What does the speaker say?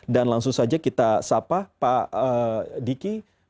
dan langsung saja kita sapa pak diki